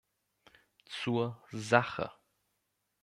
Zur Sache.